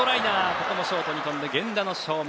ここもショートに飛んで源田の正面。